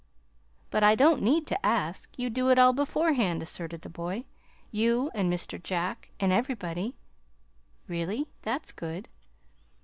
"But I don't need to ask you do it all beforehand," asserted the boy, "you and Mr. Jack, and everybody." "Really? That's good."